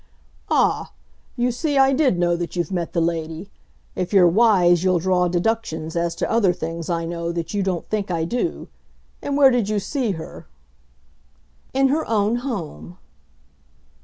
"Ah! You see I did know that you've met the lady. If you're wise you'll draw deductions as to other things I know that you don't think I do.... And where did you see her?" "In her own home."